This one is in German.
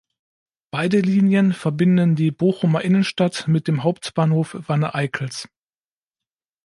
Beide Linien verbinden die Bochumer Innenstadt mit dem Hauptbahnhof Wanne-Eickels.